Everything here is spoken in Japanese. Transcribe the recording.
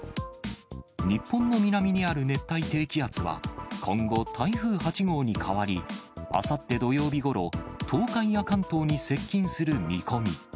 日本の南にある熱帯低気圧は、今後、台風８号に変わり、あさって土曜日ごろ、東海や関東に接近する見込み。